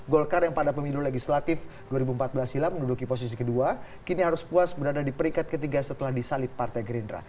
golkar yang pada pemilu legislatif dua ribu empat belas silam menduduki posisi kedua kini harus puas berada di peringkat ketiga setelah disalib partai gerindra